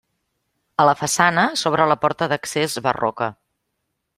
A la façana s'obre la porta d'accés barroca.